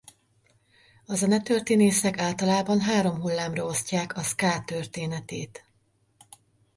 A zenetörténészek általában három hullámra osztják a ska történetét.